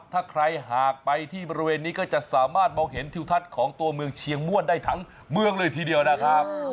ถ้าใครหากไปที่บริเวณนี้ก็จะสามารถมองเห็นทิวทัศน์ของตัวเมืองเชียงม่วนได้ทั้งเมืองเลยทีเดียวนะครับ